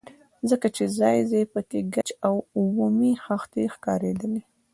ځکه چې ځاى ځاى پکښې ګچ او اومې خښتې ښکارېدلې.